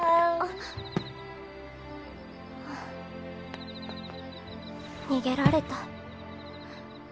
ハァ逃げられた。